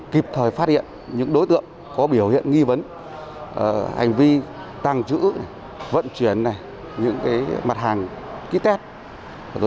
kịp thời phát hiện những đối tượng có biểu hiện nghi vấn hành vi tàng trữ vận chuyển những mặt hàng ký test